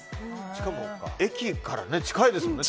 しかも駅から近いですもんね。